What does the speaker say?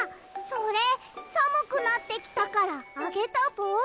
それさむくなってきたからあげたぼうし！